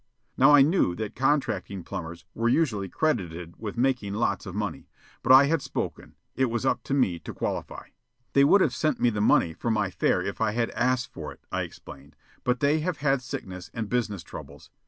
Now I knew that contracting plumbers were usually credited with making lots of money. But I had spoken. It was up to me to qualify. "They would have sent me the money for my fare if I had asked for it," I explained, "but they have had sickness and business troubles.